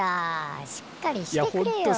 しっかりしてくれよ。